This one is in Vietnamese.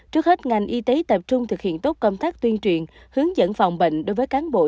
trước hết ngành y tế tập trung thực hiện tốt công tác tuyên truyền hướng dẫn phòng bệnh đối với cán bộ